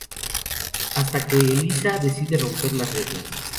Hasta que Elisa decide romper las reglas.